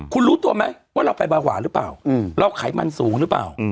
คุณรู้ตัวไหมว่าเราไปเบาหวานหรือเปล่าเราไขมันสูงหรือเปล่า